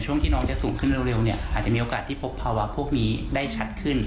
ที่น้องจะสูงขึ้นเร็วเนี่ยอาจจะมีโอกาสที่พบภาวะพวกนี้ได้ชัดขึ้น